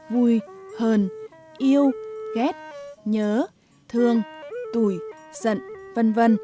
vui hờn yêu ghét nhớ thương tùy giận v v